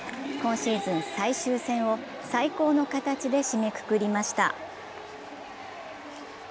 今シーズン最終戦を最高の形で締めくくりました。